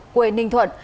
quê ninh thuận